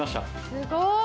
すごい。